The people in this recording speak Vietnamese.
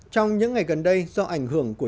trong những ngày gần đây do ảnh hưởng của các dự án